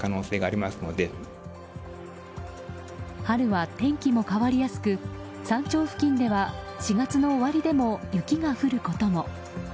春は天気も変わりやすく山頂付近では４月の終わりでも雪が降ることも。